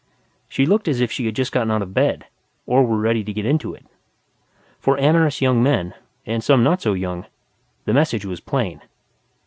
She looked as if she had just gotten out of bed, or were ready to get into it. For amorous young men, and some not so young, the message was plain.